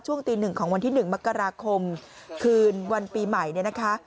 ตีหนึ่งของวันที่๑มกราคมคืนวันปีใหม่เนี่ยนะคะ